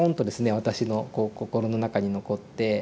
私のこう心の中に残って。